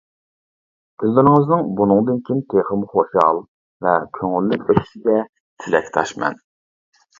كۈنلىرىڭىزنىڭ بۇنىڭدىن كېيىن تېخىمۇ خۇشال ۋە كۆڭۈللۈك ئۆتىشىگە تىلەكداشمەن.